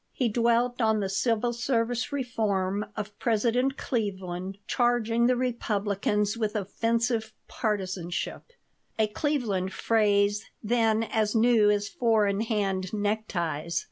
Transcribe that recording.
He dwelt on the civil service reform of President Cleveland, charging the Republicans with "offensive partisanship," a Cleveland phrase then as new as four in hand neckties.